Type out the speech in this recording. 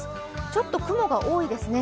ちょっと雲が多いですね。